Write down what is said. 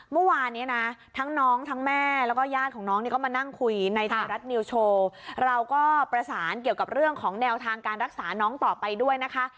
เมื่อวานนี้นะทั้งน้องทั้งแม่แล้วก็ญาติของน้องนี่ก็มานั่งคุยในไทยรัฐนิวโชว์เราก็ประสานเกี่ยวกับเรื่องของแนวทางการรักษาน้องต่อไปด้วยนะคะ